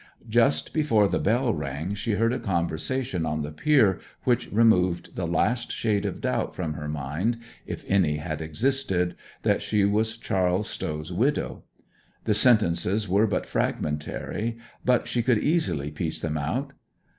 Just before the bell rang she heard a conversation on the pier, which removed the last shade of doubt from her mind, if any had existed, that she was Charles Stow's widow. The sentences were but fragmentary, but she could easily piece them out.